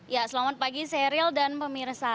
ya selamat pagi seril dan pemirsa